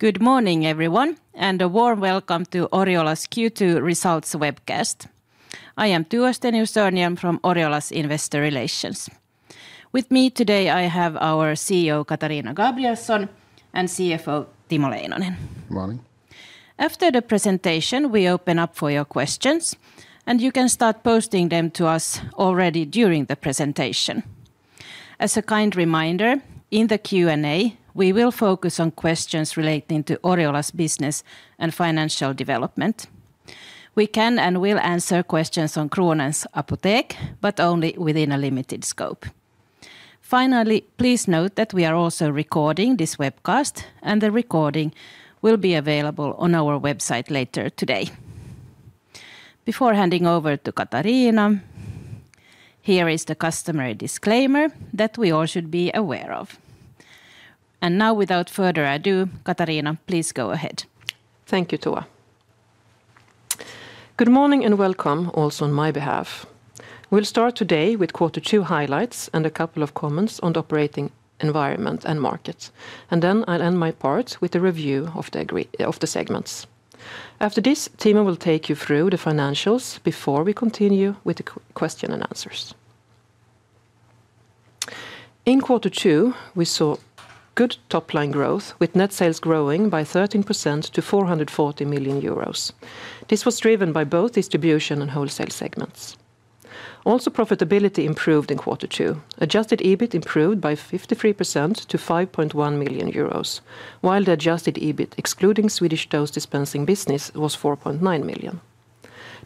Good morning, everyone, and a warm welcome to Oriola's Q2 results webcast. I am Tua Stenius-Örnhjelm from Oriola's Investor Relations. With me today, I have our CEO, Katarina Gabrielson, and CFO, Timo Leinonen. Morning. After the presentation, we open up for your questions, and you can start posting them to us already during the presentation. As a kind reminder, in the Q&A, we will focus on questions relating to Oriola's business and financial development. We can and will answer questions on Kronans Apotek, but only within a limited scope. Finally, please note that we are also recording this webcast, and the recording will be available on our website later today. Before handing over to Katarina, here is the customary disclaimer that we all should be aware of. Now, without further ado, Katarina, please go ahead. Thank you, Tua. Good morning, and welcome also on my behalf. We'll start today with quarter two highlights and a couple of comments on the operating environment and market. Then I'll end my part with a review of the segments. After this, Timo will take you through the financials before we continue with the question and answers. In quarter two, we saw good top-line growth, with net sales growing by 13% to 440 million euros. This was driven by both distribution and wholesale segments. Also, profitability improved in quarter two. Adjusted EBIT improved by 53% to 5.1 million euros, while the adjusted EBIT, excluding Swedish dose dispensing business, was 4.9 million.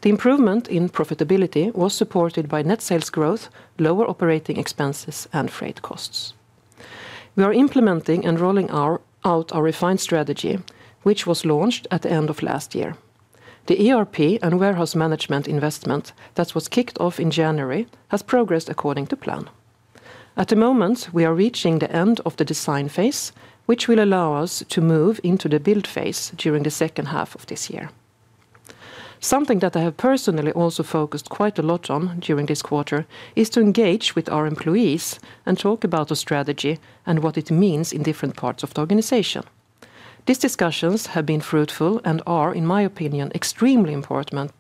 The improvement in profitability was supported by net sales growth, lower operating expenses, and freight costs. We are implementing and rolling out our refined strategy, which was launched at the end of last year. The ERP and warehouse management investment that was kicked off in January has progressed according to plan. At the moment, we are reaching the end of the design phase, which will allow us to move into the build phase during the second half of this year. Something that I have personally also focused quite a lot on during this quarter is to engage with our employees and talk about the strategy and what it means in different parts of the organization. These discussions have been fruitful and are, in my opinion, extremely important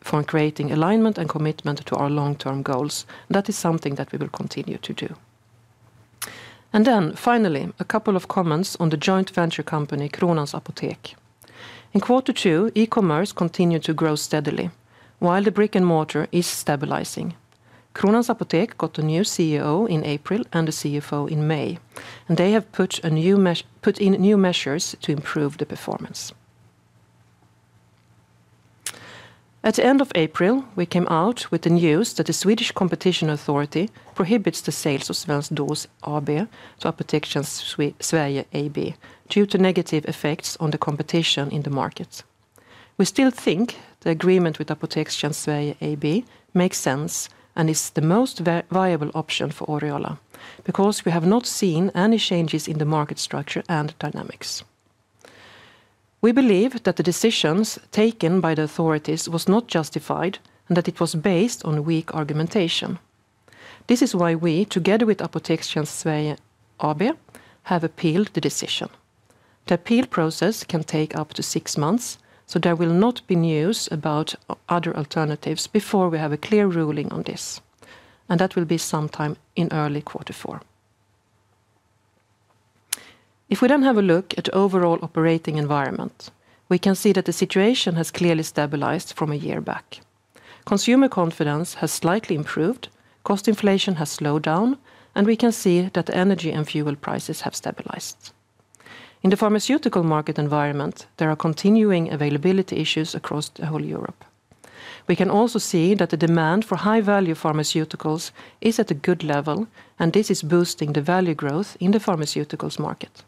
for creating alignment and commitment to our long-term goals. That is something that we will continue to do. And then finally, a couple of comments on the joint venture company, Kronans Apotek. In quarter two, e-commerce continued to grow steadily, while the brick-and-mortar is stabilizing. Kronans Apotek got a new CEO in April and a CFO in May, and they have put in new measures to improve the performance. At the end of April, we came out with the news that the Swedish Competition Authority prohibits the sales of Svensk Dos AB to Apotekstjänst Sverige AB due to negative effects on the competition in the market. We still think the agreement with Apotekstjänst Sverige AB makes sense and is the most viable option for Oriola, because we have not seen any changes in the market structure and dynamics. We believe that the decisions taken by the authorities was not justified and that it was based on weak argumentation. This is why we, together with Apotekstjänst Sverige AB, have appealed the decision. The appeal process can take up to six months, so there will not be news about other alternatives before we have a clear ruling on this, and that will be sometime in early quarter four. If we then have a look at overall operating environment, we can see that the situation has clearly stabilized from a year back. Consumer confidence has slightly improved, cost inflation has slowed down, and we can see that energy and fuel prices have stabilized. In the pharmaceutical market environment, there are continuing availability issues across the whole Europe. We can also see that the demand for high-value pharmaceuticals is at a good level, and this is boosting the value growth in the pharmaceuticals market.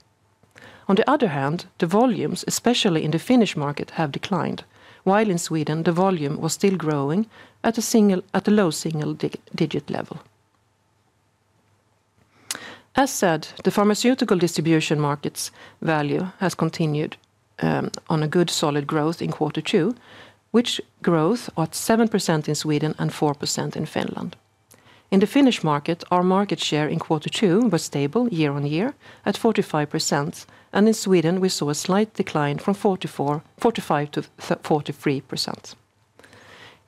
On the other hand, the volumes, especially in the Finnish market, have declined, while in Sweden, the volume was still growing at a low single-digit level. As said, the pharmaceutical distribution market's value has continued on a good, solid growth in quarter two, which growth at 7% in Sweden and 4% in Finland. In the Finnish market, our market share in quarter two was stable year-on-year at 45%, and in Sweden, we saw a slight decline from 44%-45% to 43%.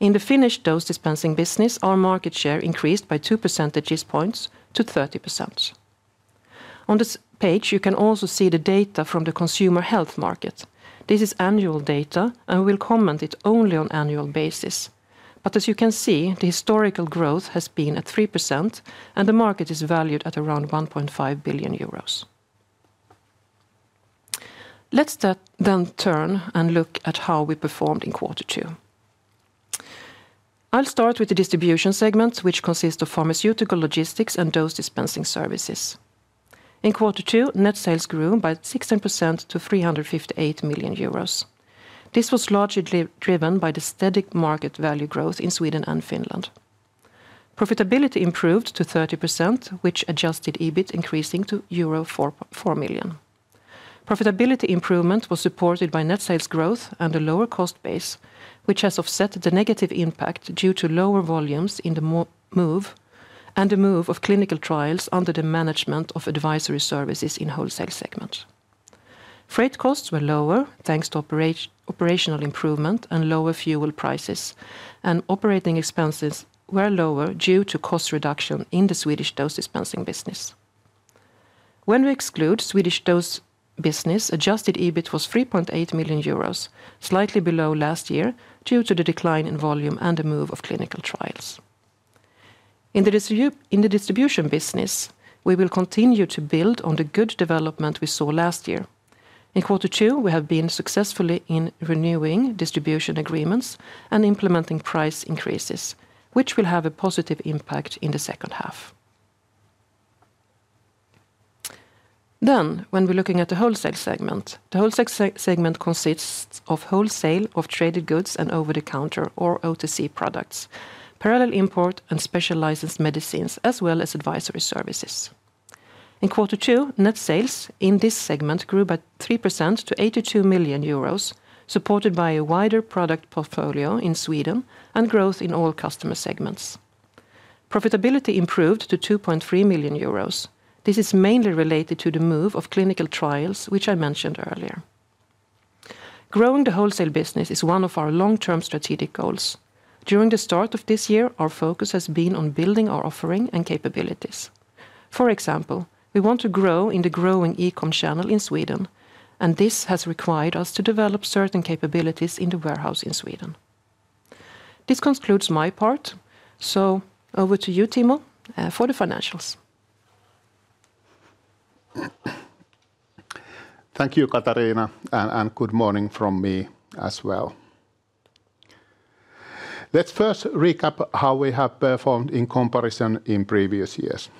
In the Finnish dose dispensing business, our market share increased by two percentage points to 30%. On this page, you can also see the data from the consumer health market. This is annual data, and we'll comment it only on annual basis. But as you can see, the historical growth has been at 3%, and the market is valued at around 1.5 billion euros. Let's then turn and look at how we performed in quarter two. I'll start with the distribution segment, which consists of pharmaceutical logistics and dose dispensing services. In quarter two, net sales grew by 16% to 358 million euros. This was largely driven by the steady market value growth in Sweden and Finland. Profitability improved to 30%, which Adjusted EBIT increasing to euro 4.4 million. Profitability improvement was supported by net sales growth and a lower cost base, which has offset the negative impact due to lower volumes in the move, and the move of clinical trials under the management of advisory services in wholesale segment. Freight costs were lower, thanks to operational improvement and lower fuel prices, and operating expenses were lower due to cost reduction in the Swedish dose dispensing business. When we exclude Swedish dose business, adjusted EBIT was 3.8 million euros, slightly below last year, due to the decline in volume and the move of clinical trials. In the distribution business, we will continue to build on the good development we saw last year. In quarter two, we have been successfully in renewing distribution agreements and implementing price increases, which will have a positive impact in the second half. Then, when we're looking at the wholesale segment, the wholesale segment consists of wholesale, of traded goods, and over-the-counter or OTC products, parallel import and specialized medicines, as well as advisory services. In quarter two, net sales in this segment grew by 3% to 82 million euros, supported by a wider product portfolio in Sweden and growth in all customer segments. Profitability improved to 2.3 million euros. This is mainly related to the move of clinical trials, which I mentioned earlier. Growing the wholesale business is one of our long-term strategic goals. During the start of this year, our focus has been on building our offering and capabilities. For example, we want to grow in the growing e-com channel in Sweden, and this has required us to develop certain capabilities in the warehouse in Sweden. This concludes my part, so over to you, Timo, for the financials. Thank you, Katarina, and good morning from me as well. Let's first recap how we have performed in comparison in previous years.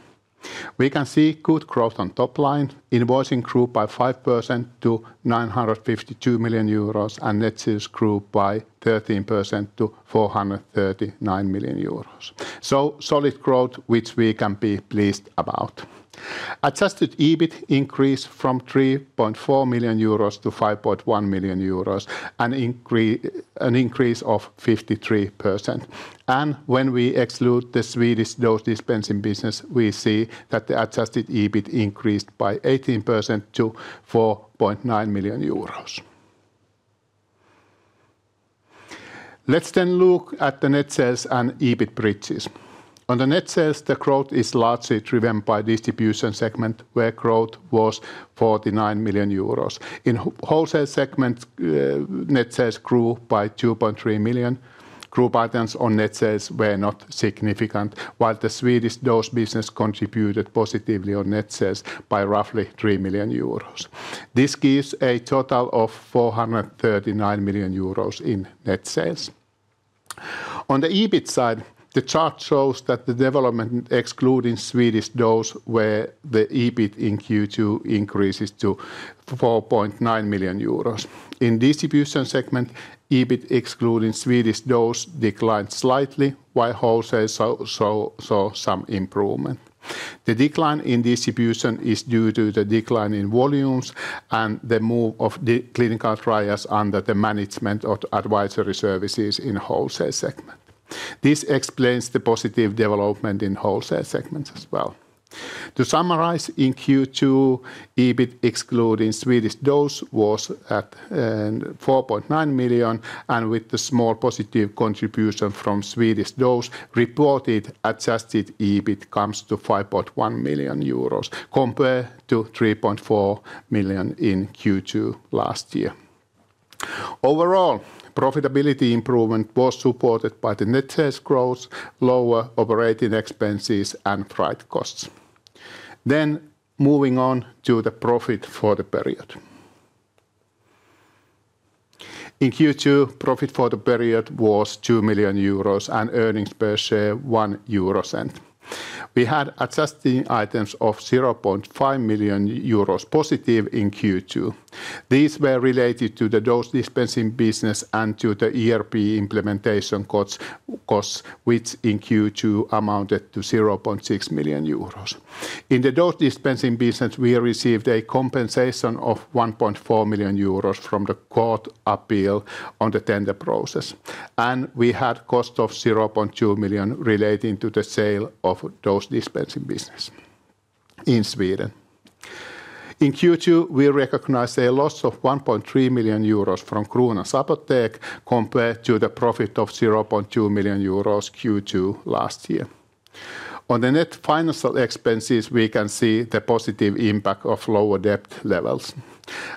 We can see good growth on top line. Invoicing grew by 5% to 952 million euros, and net sales grew by 13% to 439 million euros. So solid growth, which we can be pleased about. Adjusted EBIT increased from 3.4 million euros to 5.1 million euros, an increase of 53%. And when we exclude the Swedish dose dispensing business, we see that the adjusted EBIT increased by 18% to 4.9 million euros. Let's then look at the net sales and EBIT bridges. On the net sales, the growth is largely driven by distribution segment, where growth was 49 million euros. In wholesale segment, net sales grew by 2.3 million. Group items on net sales were not significant, while the Swedish dose business contributed positively on net sales by roughly three million euros. This gives a total of 439 million euros in net sales. On the EBIT side, the chart shows that the development excluding Swedish dose, where the EBIT in Q2 increases to 4.9 million euros. In distribution segment, EBIT, excluding Swedish dose, declined slightly, while wholesale saw some improvement. The decline in distribution is due to the decline in volumes and the move of the clinical trials under the management of advisory services in wholesale segment. This explains the positive development in wholesale segments as well. To summarize, in Q2, EBIT, excluding Swedish dose, was at 4.9 million, and with the small positive contribution from Swedish dose, reported adjusted EBIT comes to 5.1 million euros, compared to 3.4 million in Q2 last year. Overall, profitability improvement was supported by the net sales growth, lower operating expenses, and freight costs. Then, moving on to the profit for the period. In Q2, profit for the period was two million euros and earnings per share 0.01. We had adjusted items of 0.5 million euros positive in Q2. These were related to the dose dispensing business and to the ERP implementation costs, which in Q2 amounted to 0.6 million euros. In the dose dispensing business, we received a compensation of 1.4 million euros from the court appeal on the tender process, and we had cost of 0.2 million relating to the sale of dose dispensing business in Sweden. In Q2, we recognized a loss of 1.3 million euros from Kronans Apotek, compared to the profit of 0.2 million euros, Q2 last year. On the net financial expenses, we can see the positive impact of lower debt levels,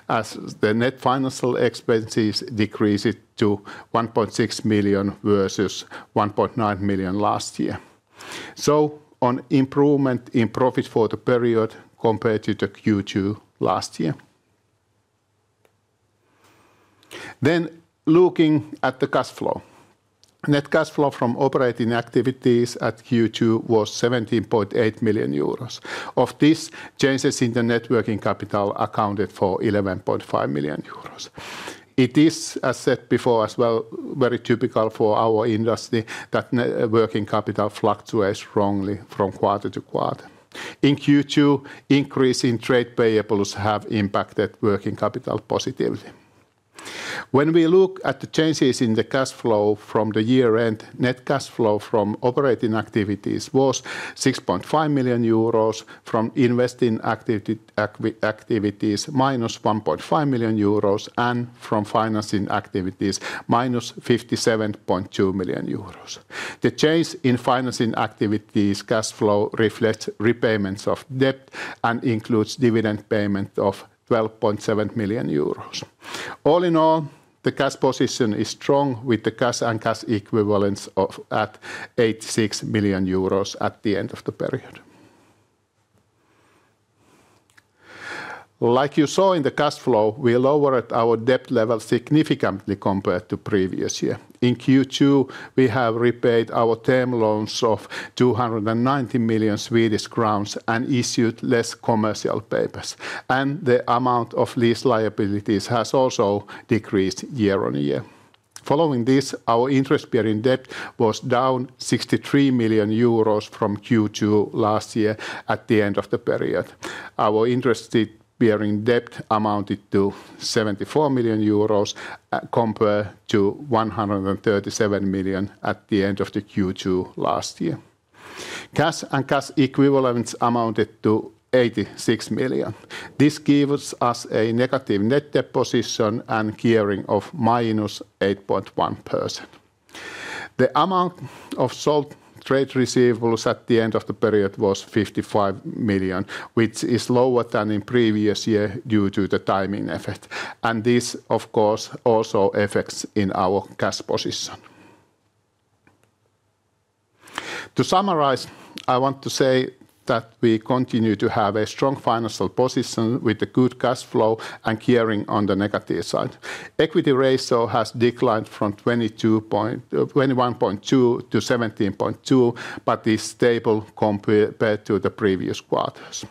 as the net financial expenses decreased to 1.6 million versus 1.9 million last year. So, an improvement in profit for the period compared to the Q2 last year. Then, looking at the cash flow. Net cash flow from operating activities at Q2 was 17.8 million euros. Of this, changes in the net working capital accounted for 11.5 million euros. It is, as said before as well, very typical for our industry that working capital fluctuates strongly from quarter to quarter. In Q2, increase in trade payables have impacted working capital positively. When we look at the changes in the cash flow from the year end, net cash flow from operating activities was 6.5 million euros, from investing activities -1.5 million euros, and from financing activities -57.2 million euros. The change in financing activities cash flow reflects repayments of debt and includes dividend payment of 12.7 million euros. All in all, the cash position is strong, with the cash and cash equivalents of, at 86 million euros at the end of the period. Like you saw in the cash flow, we lowered our debt level significantly compared to previous year. In Q2, we have repaid our term loans of 290 million Swedish crowns and issued less commercial papers, and the amount of lease liabilities has also decreased year-on-year. Following this, our interest bearing debt was down 63 million euros from Q2 last year at the end of the period. Our interest bearing debt amounted to 74 million euros, compared to 137 million at the end of the Q2 last year. Cash and cash equivalents amounted to 86 million. This gives us a negative net debt position and gearing of -8.1%. The amount of sold trade receivables at the end of the period was 55 million, which is lower than in previous year due to the timing effect, and this, of course, also affects in our cash position. To summarize, I want to say that we continue to have a strong financial position with a good cash flow and gearing on the negative side. Equity ratio has declined from 21.2 to 17.2, but is stable compared to the previous quarters.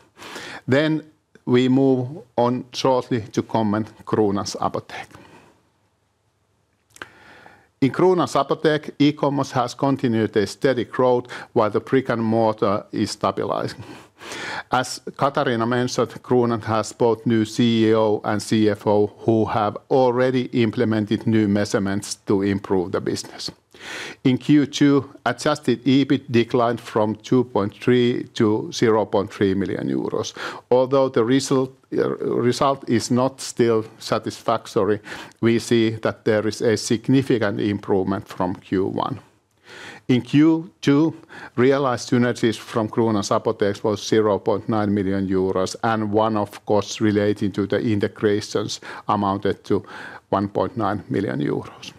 Then we move on shortly to comment Kronans Apotek. In Kronans Apotek, e-commerce has continued a steady growth, while the brick-and-mortar is stabilizing. As Katarina mentioned, Kronan has both new CEO and CFO, who have already implemented new measurements to improve the business. In Q2, adjusted EBIT declined from 2.3 million to 0.3 million euros. Although the result, result is not still satisfactory, we see that there is a significant improvement from Q1. In Q2, realized synergies from Kronans Apotek was 0.9 million euros, and one-off costs relating to the integrations amounted to 1.9 million euros.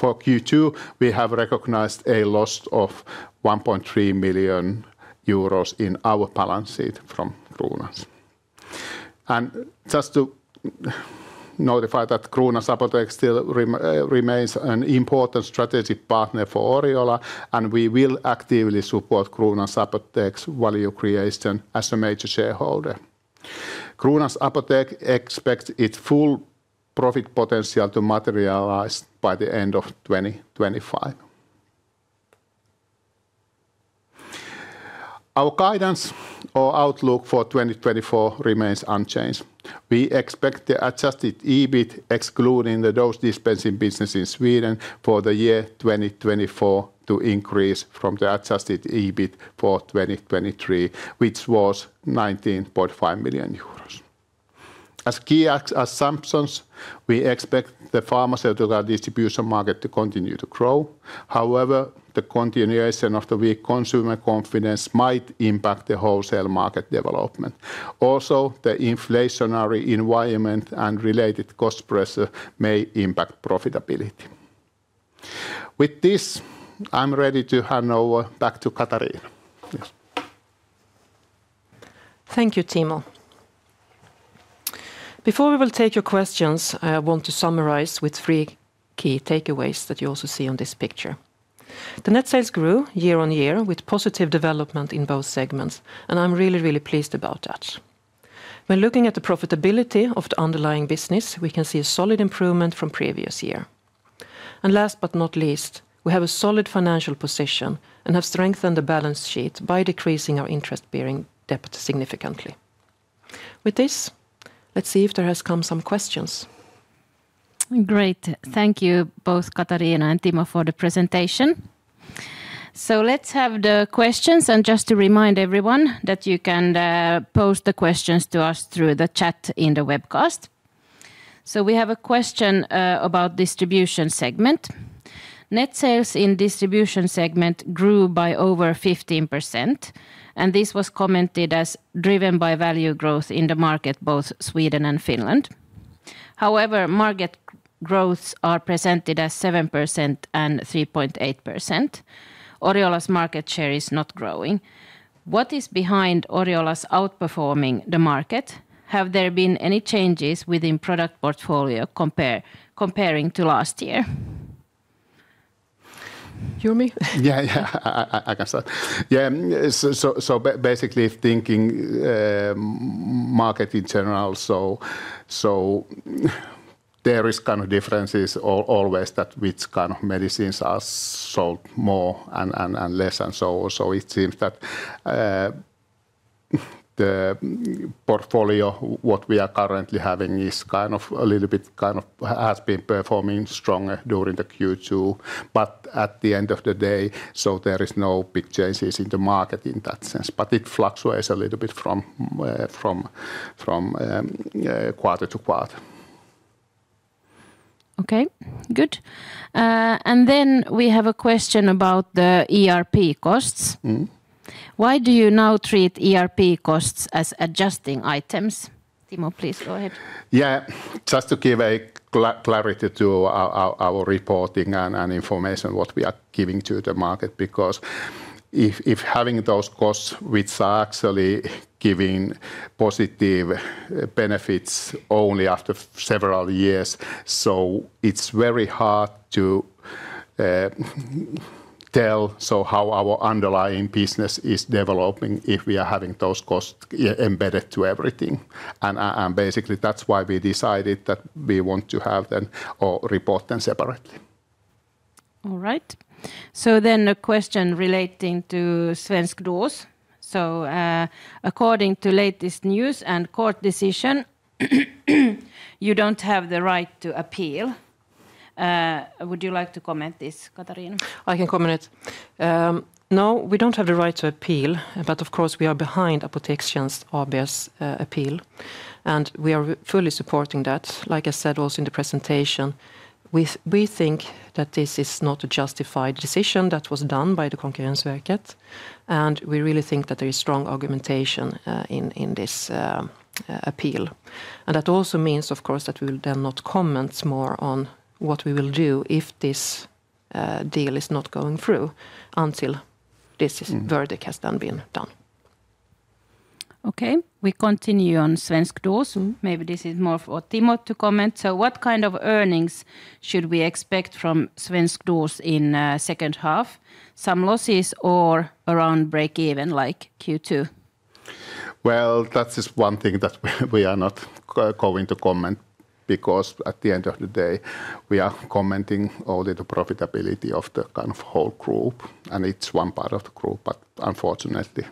For Q2, we have recognized a loss of 1.3 million euros in our balance sheet from Kronans. Just to notify that Kronans Apotek still remains an important strategic partner for Oriola, and we will actively support Kronans Apotek's value creation as a major shareholder. Kronans Apotek expects its full profit potential to materialize by the end of 2025. Our guidance or outlook for 2024 remains unchanged. We expect the adjusted EBIT, excluding the dose dispensing business in Sweden, for the year 2024 to increase from the adjusted EBIT for 2023, which was 19.5 million euros. As key assumptions, we expect the pharmaceutical distribution market to continue to grow. However, the continuation of the weak consumer confidence might impact the wholesale market development. Also, the inflationary environment and related cost pressure may impact profitability. With this, I'm ready to hand over back to Katarina. Thanks. Thank you, Timo. Before we will take your questions, I want to summarize with three key takeaways that you also see on this picture. The net sales grew year on year with positive development in both segments, and I'm really, really pleased about that. When looking at the profitability of the underlying business, we can see a solid improvement from previous year. And last but not least, we have a solid financial position and have strengthened the balance sheet by decreasing our interest-bearing debt significantly. With this, let's see if there has come some questions. Great. Thank you both, Katarina and Timo, for the presentation. So let's have the questions, and just to remind everyone that you can pose the questions to us through the chat in the webcast. So we have a question about distribution segment. Net sales in distribution segment grew by over 15%, and this was commented as driven by value growth in the market, both Sweden and Finland. However, market growths are presented as 7% and 3.8%. Oriola's market share is not growing. What is behind Oriola's outperforming the market? Have there been any changes within product portfolio comparing to last year? You and me? Yeah, yeah. I can start. Yeah, so basically thinking, market in general, so there is kind of differences always that which kind of medicines are sold more and less, and so it seems that the portfolio what we are currently having is kind of a little bit kind of has been performing stronger during the Q2. But at the end of the day, so there is no big changes in the market in that sense, but it fluctuates a little bit from quarter to quarter. Okay, good. And then we have a question about the ERP costs. Mm. Why do you now treat ERP costs as adjusting items? Timo, please go ahead. Yeah, just to give clarity to our reporting and information what we are giving to the market, because if having those costs, which are actually giving positive benefits only after several years, so it's very hard to tell so how our underlying business is developing if we are having those costs, yeah, embedded to everything. And basically, that's why we decided that we want to have them or report them separately. All right. So then a question relating to Svensk Dos. So, according to latest news and court decision, you don't have the right to appeal. Would you like to comment this, Katarina? I can comment. No, we don't have the right to appeal, but of course, we are behind Apotekstjänst's obvious appeal, and we are fully supporting that. Like I said, also in the presentation, we, we think that this is not a justified decision that was done by the Konkurrensverket, and we really think that there is strong argumentation in this appeal. And that also means, of course, that we will then not comment more on what we will do if this deal is not going through until this- Mm... verdict has then been done. Okay, we continue on Svensk dos. Mm. Maybe this is more for Timo to comment. So what kind of earnings should we expect from Svensk dos in second half? Some losses or around breakeven, like Q2? Well, that is one thing that we are not going to comment, because at the end of the day, we are commenting only the profitability of the kind of whole group, and it's one part of the group, but unfortunately,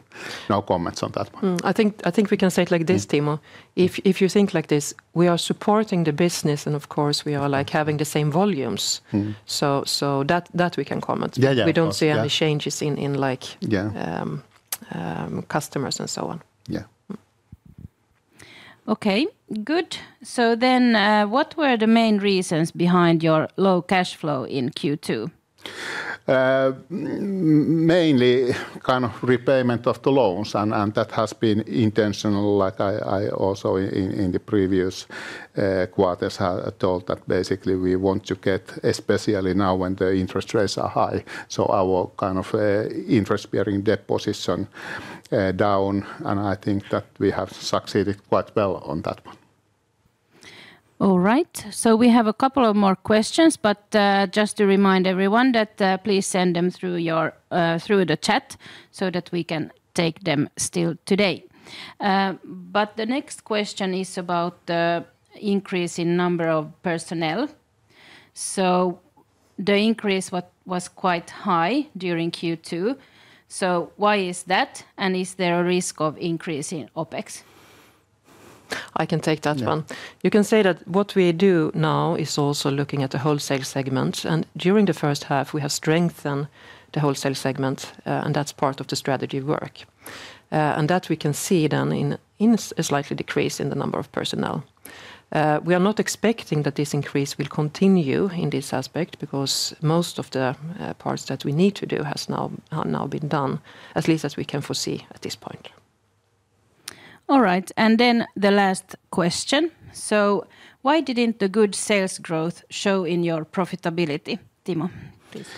no comments on that one. Mm. I think, I think we can say it like this, Timo- Mm... if you think like this, we are supporting the business, and of course, we are, like, having the same volumes. Mm. So that we can comment. Yeah, yeah. Of course, yeah. We don't see any changes in like- Yeah... customers and so on. Yeah. Mm. Okay, good. So then, what were the main reasons behind your low cash flow in Q2? Mainly kind of repayment of the loans, and that has been intentional, like I also in the previous quarters have told that basically we want to get... Especially now, when the interest rates are high, so our kind of interest-bearing debt position down, and I think that we have succeeded quite well on that one. All right. So we have a couple of more questions, but just to remind everyone that please send them through your... through the chat so that we can take them still today. But the next question is about the increase in number of personnel. So the increase was quite high during Q2, so why is that, and is there a risk of increase in OpEx? I can take that one. Yeah. You can say that what we do now is also looking at the wholesale segment, and during the first half, we have strengthened the wholesale segment, and that's part of the strategy work. And that we can see then in a slight decrease in the number of personnel. We are not expecting that this increase will continue in this aspect, because most of the parts that we need to do has now been done, at least as we can foresee at this point. All right, and then the last question: So why didn't the good sales growth show in your profitability, Timo, please?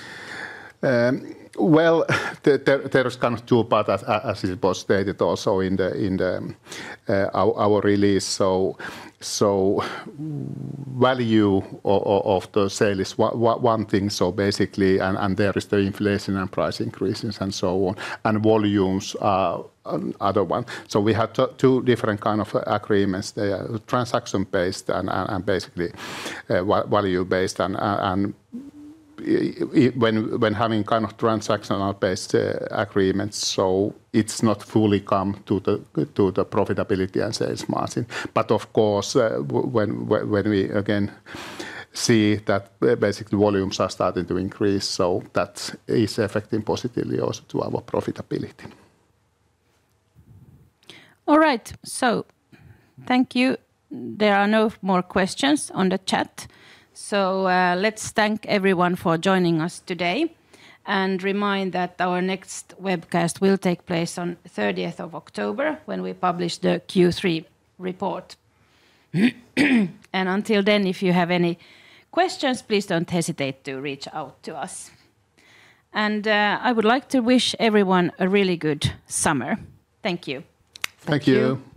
Well, there is kind of two part, as it was stated also in the our release. So value of the sale is one thing, so basically... And there is the inflation and price increases and so on, and volumes are another one. So we have two different kind of agreements. They are transaction-based and basically value based. And when having kind of transactional-based agreements, so it's not fully come to the profitability and sales margin. But of course, when we again see that basically volumes are starting to increase, so that is affecting positively also to our profitability. All right, so thank you. There are no more questions on the chat, so let's thank everyone for joining us today, and remind that our next webcast will take place on 30th of October, when we publish the Q3 report. And until then, if you have any questions, please don't hesitate to reach out to us. And I would like to wish everyone a really good summer. Thank you. Thank you. Thank you!